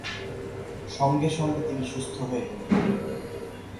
সঙ্গে সঙ্গে তিনি সুস্থ হয়ে গেলেন।